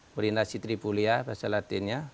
murinda sitripulia bahasa latinnya